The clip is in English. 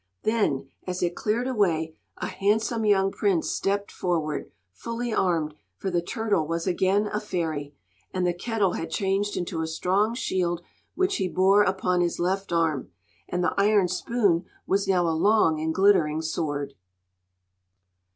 Then, as it cleared away, a handsome young prince stepped forward, fully armed; for the turtle was again a fairy, and the kettle had changed into a strong shield which he bore upon his left arm, and the iron spoon was now a long and glittering sword.